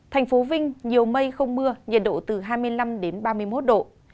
thành phố vinh nhiều mây không mưa nhiệt độ từ hai mươi năm ba mươi một độ